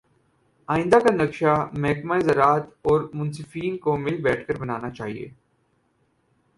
آئندہ کا نقشہ محکمہ زراعت اورمنصفین کو مل بیٹھ کر بنانا چاہیے